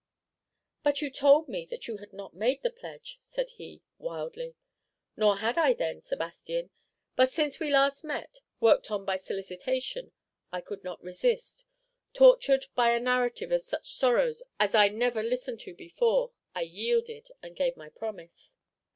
"But you told me that you had not made the pledge," said he, wildly. "Nor had I then, Sebastian; but since we last met, worked on by solicitation, I could not resist; tortured by a narrative of such sorrows as I never listened to before, I yielded, and gave my promise."